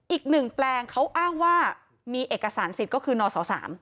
อีกหนึ่งแปลงเขาอ้างว่ามีเอกสารสิทธิ์ก็คือนศ๓